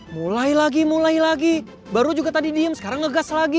mulai lagi mulai lagi baru juga tadi diem sekarang ngegas lagi